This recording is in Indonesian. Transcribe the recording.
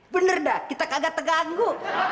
bener dah kita kagak terganggu